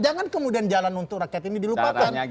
jangan kemudian jalan untuk rakyat ini dilupakan